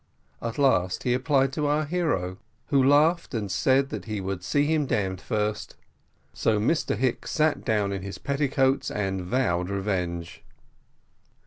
At last he applied to our hero, who laughed, and said that he would see him damned first. So Mr Hicks sat down in his petticoats, and vowed revenge.